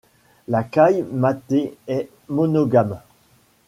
La caille nattée est monogame.